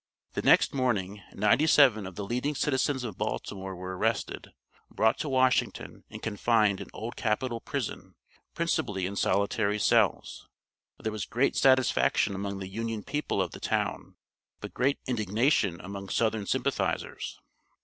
The next morning ninety seven of the leading citizens of Baltimore were arrested, brought to Washington, and confined in Old Capitol Prison, principally in solitary cells. There was great satisfaction among the Union people of the town, but great indignation among Southern sympathizers.